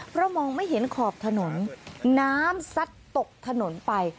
เพราะมองไม่เห็นขอบถนนน้ำซัดตกถนนไป